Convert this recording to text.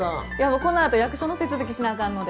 この後、役所の手続きをしなあかんので。